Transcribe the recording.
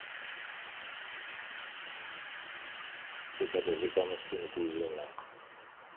Και κατεβήκαμε στην κουζίνα.